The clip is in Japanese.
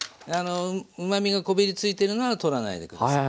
うまみがこびりついてるのは取らないで下さい。